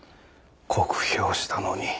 酷評したのに。